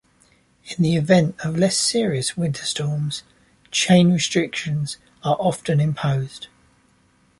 In the event of less serious winter storms, chain restrictions are often imposed.